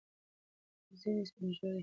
ځینې سپین ږیري پر دې اختلاف درلود.